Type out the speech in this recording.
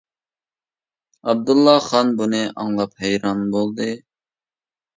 ئابدۇللا خان بۇنى ئاڭلاپ ھەيران بولدى.